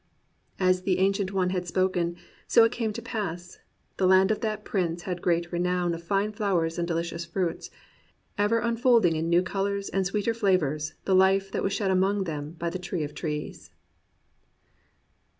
As the Ancient One had spoken, so it came to pass. The land of that prince had great renown of fine flowers and delicious fruits, ever unfolding in . new colours and sweeter flavours the life that was shed among them by the tree of trees.